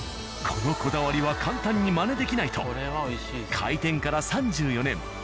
このこだわりは簡単にマネできないと開店から３４年